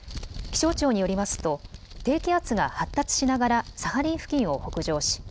気象庁によりますと低気圧が発達しながらサハリン付近を北上し